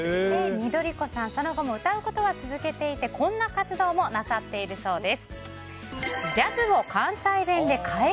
緑子さん、その後も歌うことは続けていてこんな活動もなさっているそうです。